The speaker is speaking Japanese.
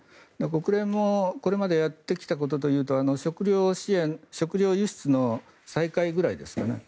国連もこれまでやってきたことというと食料支援、食料輸出の再開ぐらいですよね。